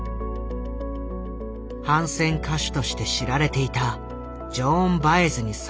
反戦歌手として知られていたジョーン・バエズに参加を呼びかけ